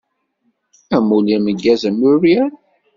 Amulli ameggaz a Muiriel!